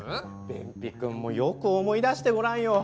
便秘くんもよく思い出してごらんよ。